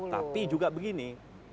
tapi juga begini